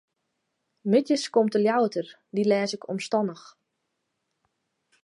Middeis komt de Ljouwerter, dy lês ik omstannich.